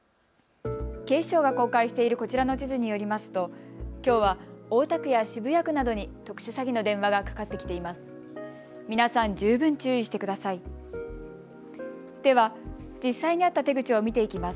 警視庁が公開しているこちらの地図によりますときょうは大田区や渋谷区などに特殊詐欺の電話がかかってきています。